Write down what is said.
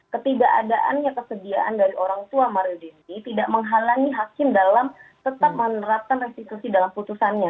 ketidakadaannya kesediaan dari orang tua mario dendi tidak menghalangi hakim dalam tetap menerapkan restitusi dalam putusannya